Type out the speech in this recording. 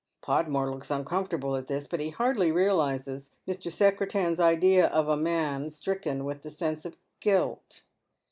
Podmore looks uncomfortable at this, but he hardly realizes Mr. Secretan's idea of a man stricken with the sense of guilt.